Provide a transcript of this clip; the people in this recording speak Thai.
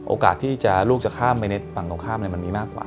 โอกาสที่ลูกจะข้ามไปในฝั่งตรงข้ามมันมีมากกว่า